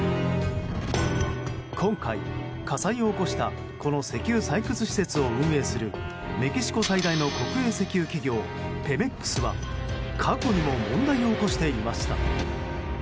今回、火災を起こしたこの石油採掘施設を運営するメキシコ最大の国営石油企業ペメックスは過去にも問題を起こしていました。